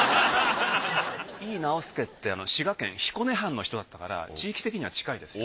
井伊直弼って滋賀県彦根藩の人だったから地域的には近いですよ。